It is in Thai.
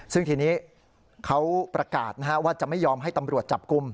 ซึ่งทีนี้เขาประกาศว่าจะไม่ยอมให้ตำรวจจับกลุ่ม